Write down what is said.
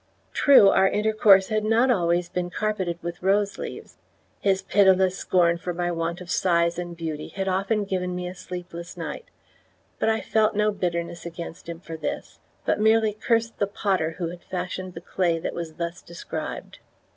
True, our intercourse had not always been carpeted with rose leaves. His pitiless scorn of my want of size and beauty had often given me a sleepless night; but I felt no bitterness against him for this, but merely cursed the Potter who had fashioned the clay that was thus described.